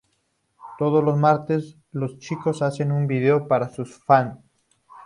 Todos los martes, los chicos hacen un video para sus fanes.